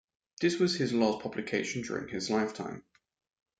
This was his last publication during his lifetime.